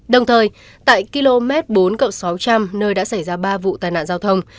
đồng thời tại km bốn sáu trăm linh nơi đã xảy ra ba vụ tai nạn giao thông